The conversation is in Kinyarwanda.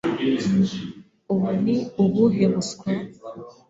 Ubu ni ubuhe buswa?